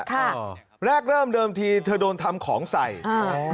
ค่ะแรกเริ่มเดิมทีเธอโดนทำของใส่อ่า